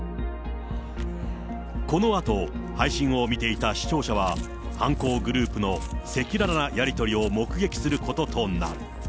このあと、配信を見ていた視聴者は犯行グループの赤裸々なやり取りを目撃することとなる。